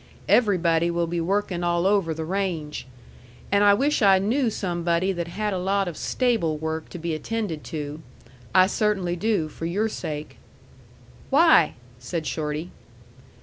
Everybody will be working all over the range. And I wish I knew somebody that had a lot of stable work to be attended to. I cert'nly do for your sake." "Why?" said Shorty.